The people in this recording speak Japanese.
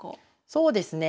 そうですね